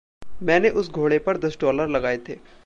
मैंने उस घोड़े पर दस डॉलर लगाए थे।